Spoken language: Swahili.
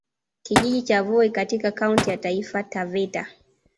Kijiji cha Voi katika Kaunti ya Taifa Taveta